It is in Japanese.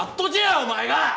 お前が！